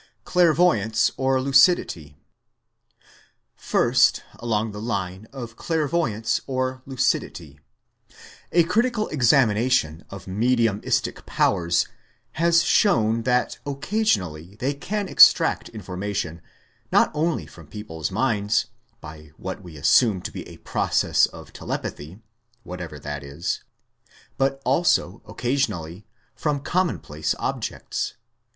Clairvoyance or Lucidity First along the line of clairvoyance or lucidity. A critical examination of mediumistic powers has shown that occasionally they can extract information, not only from people's minds, by what we assume to be a process of telepathy whatever that is but also occasionally from commonplace objects.